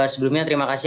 sebelumnya terima kasih